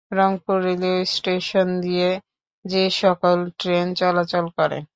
Rangpur railway station দিয়ে যেসকল train চলাচল করে।